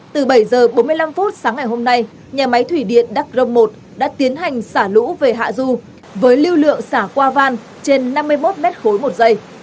từ bảy h bốn mươi năm sáng ngày hôm nay nhà máy thủy điện đắc rông một đã tiến hành xả lũ về hạ du với lưu lượng xả qua van trên năm mươi một m ba một giây